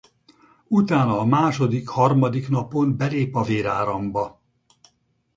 Utána a második-harmadik napon belép a véráramba.